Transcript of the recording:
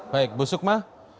baik bu sukma